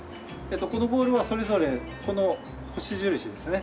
このボールはそれぞれこの星印ですね